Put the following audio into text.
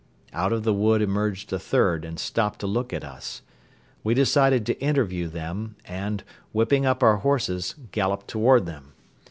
Out of the wood emerged a third and stopped to look at us. We decided to interview them and, whipping up our horses, galloped toward them.